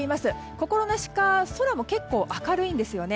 心なしか空も結構明るいんですよね。